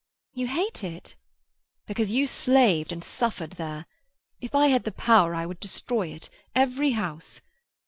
"You hate it?" "Because you slaved and suffered there. If I had the power, I would destroy it—every house.